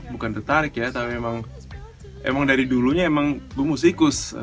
bukan tertarik ya tapi emang dari dulunya emang gue musikus